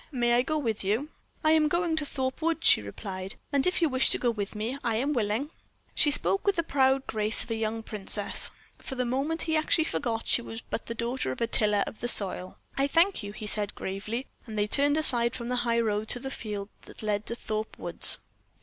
May I go with you?" "I am going to Thorpe Woods," she replied, "and if you wish to go with me I am willing." She spoke with the proud grace of a young princess. For the moment he actually forgot she was but the daughter of a tiller of the soil. "I thank you," he said, gravely; and they turned aside from the high road to the fields that led to Thorpe Woods.